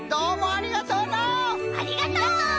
ありがとう！